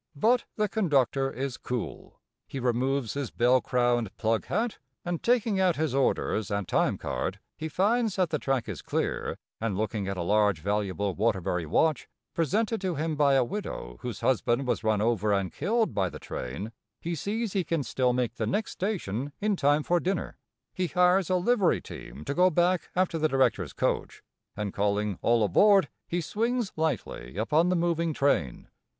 But the conductor is cool. He removes his bell crowned plug hat, and, taking out his orders and time card, he finds that the track is clear, and, looking at a large, valuable Waterbury watch, presented to him by a widow whose husband was run over and killed by the train, he sees he can still make the next station in time for dinner. He hires a livery team to go back after the directors' coach, and, calling "All aboard," he swings lightly upon the moving train.